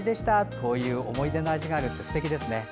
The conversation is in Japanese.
こういう思い出の味があるってすてきですね。